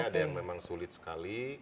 ada yang memang sulit sekali